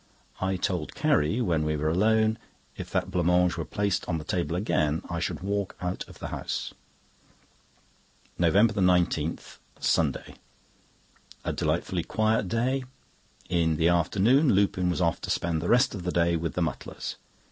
I told Carrie, when we were alone, if that blanc mange were placed on the table again I should walk out of the house. NOVEMBER 19, Sunday.—A delightfully quiet day. In the afternoon Lupin was off to spend the rest of the day with the Mutlars.